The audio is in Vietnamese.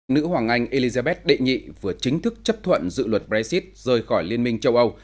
nữ hoàng anh elizabeth đệ nhị vừa chính thức chấp thuận dự luật brexit rời khỏi liên minh châu âu